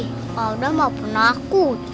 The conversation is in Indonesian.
kalau udah gak pernah aku